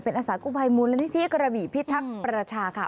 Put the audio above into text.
เป็นอาสาคูภัยมูลนิธิกระบิพิษทางประชาค่ะ